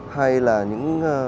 hay là những